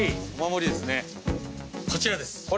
こちらです。